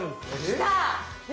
来た！